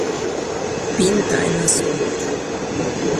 Embosa'y hovýpe.